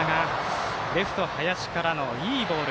レフト、林からのいいボール。